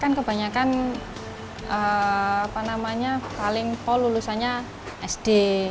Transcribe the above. kan kebanyakan paling pol lulusannya sd